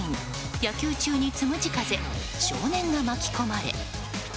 野球中につむじ風少年が巻き込まれ。